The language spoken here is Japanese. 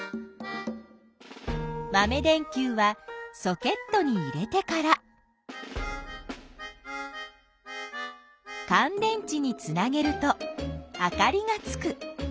まめ電きゅうはソケットに入れてからかん電池につなげるとあかりがつく。